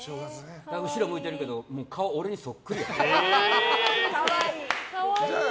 後ろ向いてるけど顔、俺にそっくりよ。